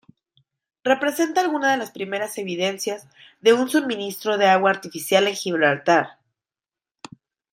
Representa algunas de las primeras evidencias de un suministro de agua artificial en Gibraltar.